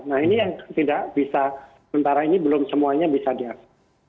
nah ini yang tidak bisa sementara ini belum semuanya bisa diakses